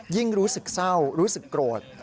รู้สึกเศร้ารู้สึกโกรธ